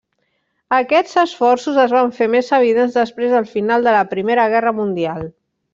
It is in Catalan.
Aquests esforços es van fer més evidents després del final de la Primera Guerra Mundial.